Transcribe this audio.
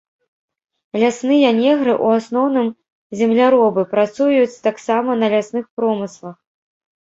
Лясныя негры ў асноўным земляробы, працуюць таксама на лясных промыслах.